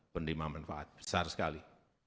penerima manfaat besar sekali